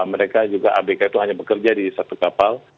mereka juga abk itu hanya bekerja di satu kapal